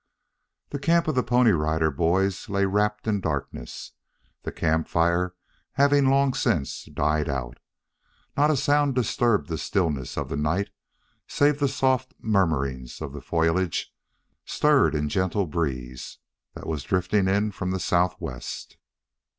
The camp of the Pony Rider Boys lay wrapped in darkness, the camp fire having long since died out. Not a sound disturbed the stillness of the night save the soft murmurings of the foliage, stirred in a gentle breeze that was drifting in from the southwest.